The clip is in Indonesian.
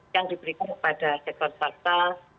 yang diberikan kepada sektor swasta